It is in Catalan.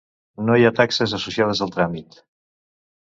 No hi ha taxes associades al tràmit.